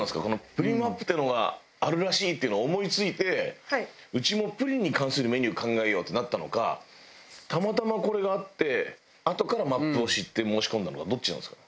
『プリンマップ』っていうのがあるらしいっていうのを思い付いてうちもプリンに関するメニュー考えようってなったのかたまたまこれがあってあとからマップを知って申し込んだのかどっちなんですか？